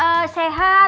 keluarga kiki sehat